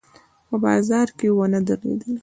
په بازار کې ونه درېدلو.